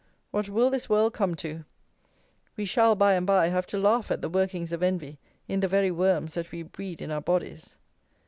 What will this world come to! We shall, by and bye, have to laugh at the workings of envy in the very worms that we breed in our bodies!